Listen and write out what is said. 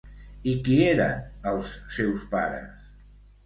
I qui eren els seus pares?